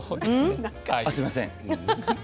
すいません。